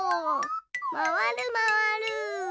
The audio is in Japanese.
まわるまわる。